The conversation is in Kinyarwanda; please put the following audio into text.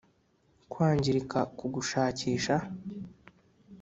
kwangirika kugushakisha,